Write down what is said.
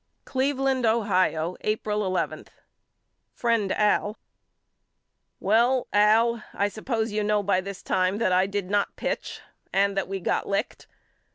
Cleveland, Ohio, April n. FRIEND AL: Well Al I suppose you know by this time that I did not pitch and that we got licked.